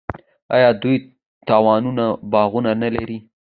آیا دوی د توتانو باغونه نلري؟